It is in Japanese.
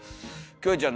キョエちゃん